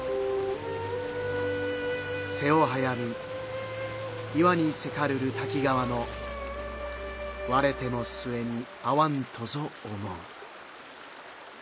「瀬を早み岩にせかるる滝川のわれても末に逢はむとぞ思ふ」。